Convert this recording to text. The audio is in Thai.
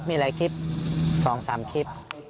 มีหลายคลิปสองสามคลิป